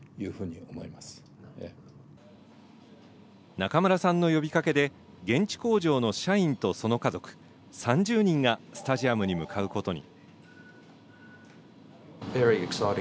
中村さんの呼びかけで、現地工場の社員とその家族３０人がスタジアムに向かうことに。